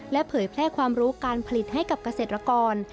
เผยแพร่ความรู้การผลิตให้กับเกษตรกร